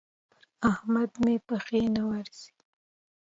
پر احمد مې پښې نه ورځي.